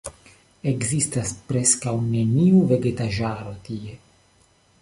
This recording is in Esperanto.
Ekzistas preskaŭ neniu vegetaĵaro tie.